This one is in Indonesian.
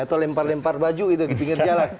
atau lempar lempar baju gitu di pinggir jalan